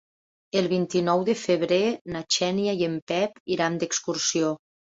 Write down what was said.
El vint-i-nou de febrer na Xènia i en Pep iran d'excursió.